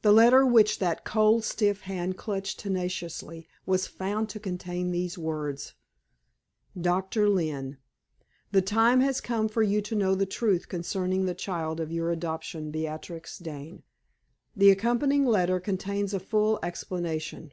The letter which that cold, stiff hand clutched tenaciously, was found to contain these words: "DOCTOR LYNNE, The time has come for you to know the truth concerning the child of your adoption, Beatrix Dane. The accompanying letter contains a full explanation.